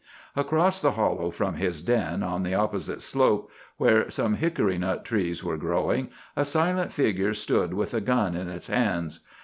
Across the hollow from his den, on the opposite slope, where some hickorynut trees were growing, a silent figure stood with a gun in its hands.